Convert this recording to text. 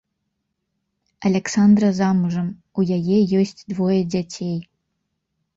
Аляксандра замужам, у яе ёсць двое дзяцей.